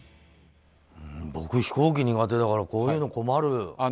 僕、飛行機苦手だからこういうの困る。